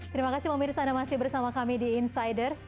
terima kasih pemirsa anda masih bersama kami di insiders